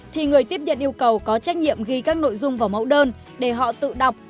thì người tiếp nhận yêu cầu có trách nhiệm ghi các nội dung vào mẫu đơn để họ tự đọc